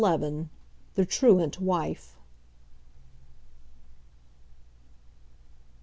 THE TRUANT WIFE.